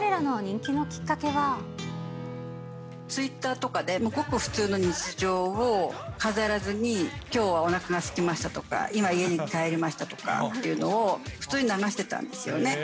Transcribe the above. ツイッターとかで、ごく普通の日常を飾らずに、きょうはおなかがすきましたとか、今、家に帰りましたとかっていうのを普通に流してたんですよね。